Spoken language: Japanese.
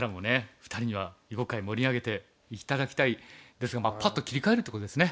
２人には囲碁界盛り上げて頂きたいですがまあパッと切り替えるってことですね。